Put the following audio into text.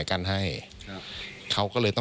นี่ค่ะคุณผู้ชมพอเราคุยกับเพื่อนบ้านเสร็จแล้วนะน้า